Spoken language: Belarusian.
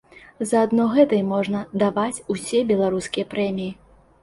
За адно гэта ім можна даваць усе беларускія прэміі!